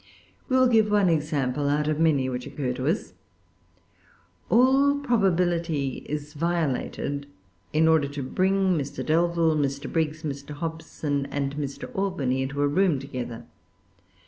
We will give one example out of many which occur to us. All probability is violated in order to bring Mr. Delvile, Mr. Briggs, Mr. Hobson, and Mr. Albany into a room together.